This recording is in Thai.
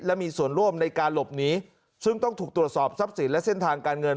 และมีส่วนร่วมในการหลบหนีซึ่งต้องถูกตรวจสอบทรัพย์สินและเส้นทางการเงิน